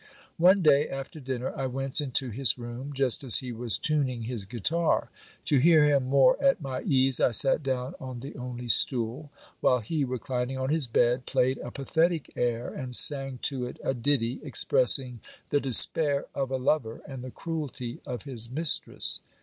One day after dinner I went into his room, just as he was tuning his guitar. To hear him more at my ease, I sat down on the only stool ; while he, reclin ing on his bed, played a pathetic air, and sang to it a ditty, expressing the despair of a lover and the cruelty of his mistress.